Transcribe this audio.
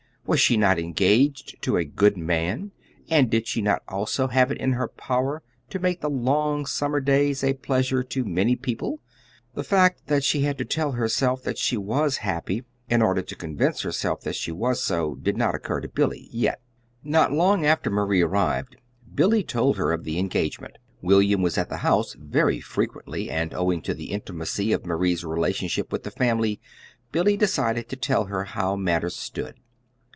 Was she not engaged to a good man, and did she not also have it in her power to make the long summer days a pleasure to many people? The fact that she had to tell herself that she was happy in order to convince herself that she was so, did not occur to Billy yet. Not long after Marie arrived, Billy told her of the engagement. William was at the house very frequently, and owing to the intimacy of Marie's relationship with the family Billy decided to tell her how matters stood.